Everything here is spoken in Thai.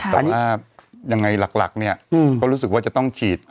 แต่ถ้ายังไงหลักเขารู้สึกจะต้องฉีด